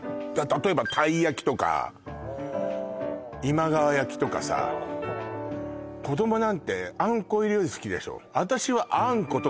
例えばたい焼きとか今川焼きとかさ子どもなんてあんこ入りより好きでしょ